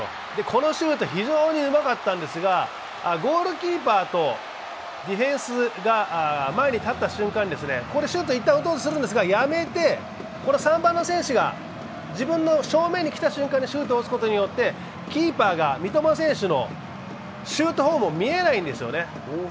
このシュート非常にうまかったんですが、ゴールキーパーとディフェンスが前に立った瞬間に、ここでコレシュートを一旦打とうとするんですが、やめて、３番の選手が自分の正面に来た瞬間にシュートを打つことになって、キーパーが三苫選手のシュートフォームを見れないんですよね。